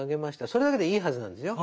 それだけでいいはずなんですよ。